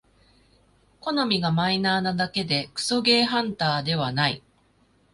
好みがマイナーなだけでクソゲーハンターではない